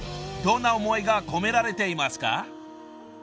［どんな思いが込められていますか？］